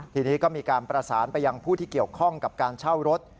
ทีนี้ก็มีการประสานไปยังผู้ที่เกี่ยวข้องกับการเช่ารถ